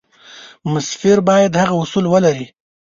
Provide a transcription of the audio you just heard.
مفسر باید هغه اصول ومني.